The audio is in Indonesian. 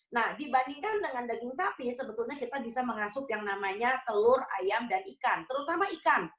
nah dibandingkan dengan daging sapi sebetulnya kita bisa mengasup yang namanya telur ayam dan ikan terutama ikan